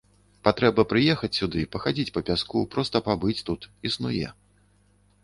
Патрэба прыехаць сюды, пахадзіць па пяску, проста пабыць тут, існуе.